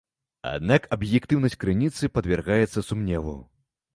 Аднак аб'ектыўнасць крыніцы падвяргаецца сумневу.